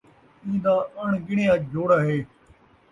ایندا اݨ ڳݨیا جوڑا ہے